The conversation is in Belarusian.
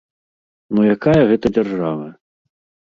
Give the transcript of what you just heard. Ну якая гэта дзяржава?